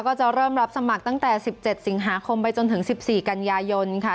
ก็จะเริ่มรับสมัครตั้งแต่สิบเจ็ดสิงหาคมไปจนถึงสิบสี่กันยายนค่ะ